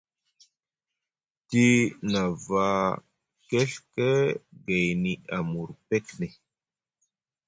Te nava keɵke gayni amur pekne.